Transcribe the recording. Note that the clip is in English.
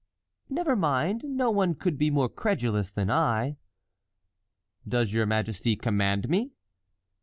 "Never mind, no one could be more credulous than I." "Does your majesty command me?"